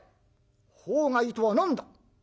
法外とは何だ。